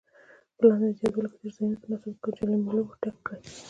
په لاندې جدول کې تش ځایونه په مناسبو جملو ډک کړئ.